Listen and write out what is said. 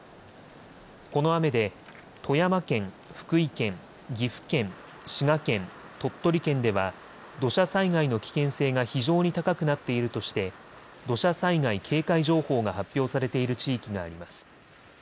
この雨で富山県、福井県、岐阜県、滋賀県、鳥取県では土砂災害の危険性が非常に高くなっているとして土砂災害警戒情報が発表されている地域があります。